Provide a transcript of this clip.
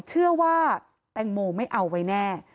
เชื่อว่าแตงโมไม่เอาไว้แน่